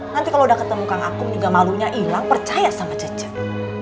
nanti kalau udah ketemu kang akom juga malunya hilang percaya sama cecep